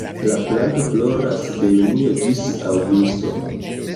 La planto floras de junio ĝis aŭgusto.